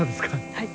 はい。